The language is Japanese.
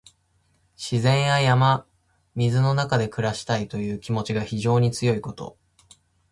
自然や山水の中で暮らしたいという気持ちが非常に強いこと。